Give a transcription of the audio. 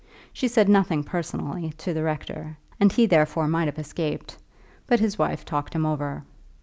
She said nothing personally to the rector, and he therefore might have escaped. But his wife talked him over.